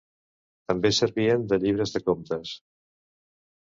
També servien de llibres de comptes.